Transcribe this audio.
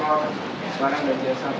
seorang yang tidak biasa